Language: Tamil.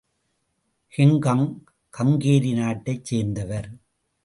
கிங்காங் ஹங்கேரி நாட்டைச் சேர்ந்தவர்.